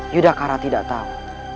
yudhakara tidak tahu